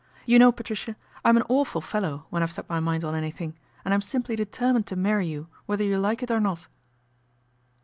You know, Patricia, I'm an awful fellow when I've set my mind on anything, and I'm simply deter mined to marry you whether you like it or not."